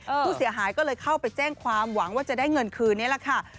ผู้เสียหายก็เลยเข้าไปแจ้งความหวังว่าจะได้เงินคืนนี้แหละค่ะ